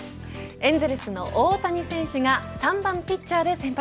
エンゼルスの大谷翔平選手が３番ピッチャーで先発。